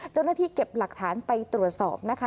เจ้าหน้าที่เก็บหลักฐานไปตรวจสอบนะคะ